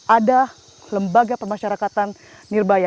ada lembaga pemasyarakatan ngerbaya